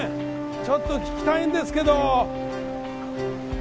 ちょっと聞きたいんですけど。